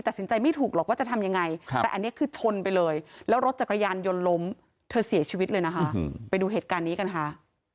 ตัดสินใจไม่ถูกหรอกว่าจะทำยังไงแต่อันนี้คือชนไปเลยแล้วรถจักรยานยนต์ล้มเธอเสียชีวิตเลยนะคะไปดูเหตุการณ์นี้กันค่ะ